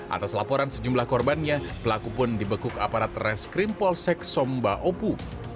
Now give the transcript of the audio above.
atas laporan sejumlah korbannya pelaku pun dibekuk aparat reskrim polsek somba opu